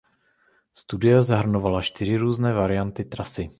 Studie zahrnovala čtyři různé varianty trasy.